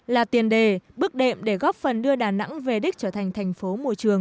là tiền đề bước đệm để góp phần đưa đà nẵng về đích trở thành thành phố môi trường